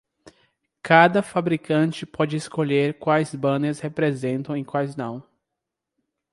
Cada fabricante pode escolher quais banners representam e quais não.